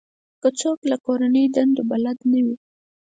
که څوک له کورنۍ دندو بلد نه وي.